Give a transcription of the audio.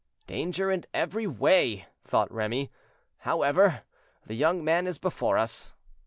"Danger every way," thought Remy; "however, the young man is before us."